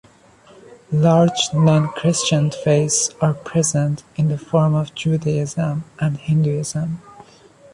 Large non-Christian faiths are present in the form of Judaism and Hinduism.